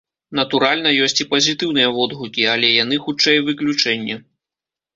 Натуральна, ёсць і пазітыўныя водгукі, але яны, хутчэй, выключэнне.